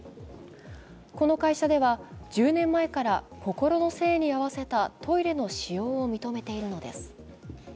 この会社では１０年前から心の性に合わせたトイレの使用を認めているのです。